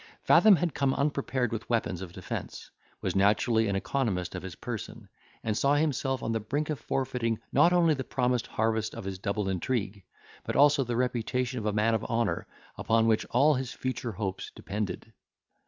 Fathom had come unprepared with weapons of defence, was naturally an economist of his person, and saw himself on the brink of forfeiting not only the promised harvest of his double intrigue, but also the reputation of a man of honour, upon which all his future hopes depended.